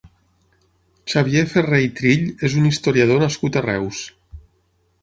Xavier Ferré i Trill és un historiador nascut a Reus.